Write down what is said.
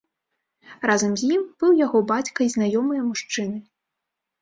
Разам з ім быў яго бацька і знаёмыя мужчыны.